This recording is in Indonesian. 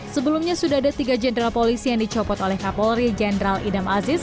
sebelumnya sudah ada tiga jenderal polisi yang dicopot oleh kapolri jenderal idam aziz